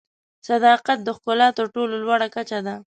صداقت د ښکلا تر ټولو لوړه کچه ده.